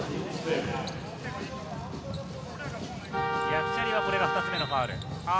ヤクチャリはこれが２つ目のファウル。